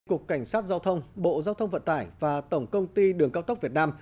cục cảnh sát giao thông bộ giao thông vận tải và tổng công ty đường cao tốc việt nam